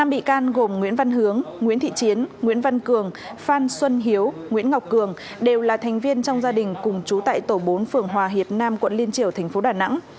năm bị can gồm nguyễn văn hướng nguyễn thị chiến nguyễn văn cường phan xuân hiếu nguyễn ngọc cường đều là thành viên trong gia đình cùng chú tại tổ bốn phường hòa hiệp nam quận liên triều thành phố đà nẵng